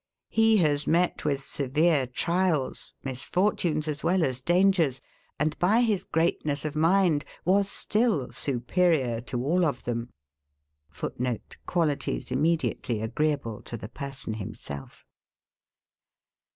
He has met with severe trials, misfortunes as well as dangers; and by his greatness of mind, was still superior to all of them [Footnote: Qualities immediately agreeable to the person himself].